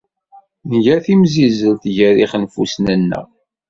Nga timsizzelt gar yixenfusen-nneɣ.